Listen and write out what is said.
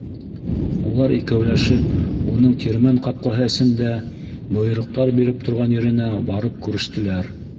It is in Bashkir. Улар икәүләшеп уның тирмән ҡапҡаһы эсендә бойороҡтар биреп торған еренә барып күрештеләр.